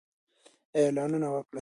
اعلانونه وکړئ.